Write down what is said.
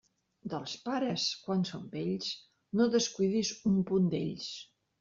Dels pares quan són vells, no descuidis un punt d'ells.